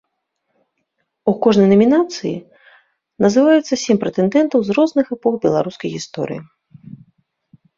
У кожнай намінацыі называюцца сем прэтэндэнтаў з розных эпох беларускай гісторыі.